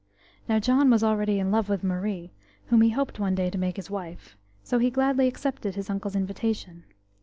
Now John was already in love with Marie, whom he hoped one day to make his wife, so he gladly accepted his uncle's invitation.